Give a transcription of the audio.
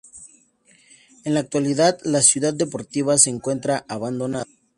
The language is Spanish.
En la actualidad la "Ciudad Deportiva" se encuentra abandonada.